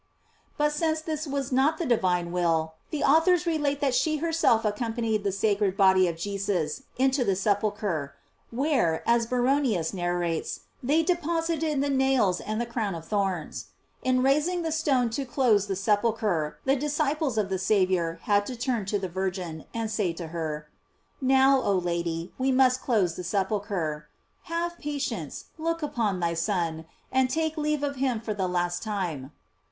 "* But since this was not the divine will, the authors relate that she herself accompanied the sacred body of Jesus into the sepulchre, where, as Baronius narrates, they deposited the nails and the crown of thorns. In raising the stone to close the sepulchre, the disciples of the Saviour had to turn to the Virgin, and say to her: Now, oh Lady, we must close the sepulchre; have patience, look upon thy Son, and take leave of him for the last time.